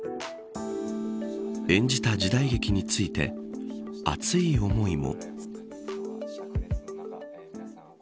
演じた時代劇について熱い思いも。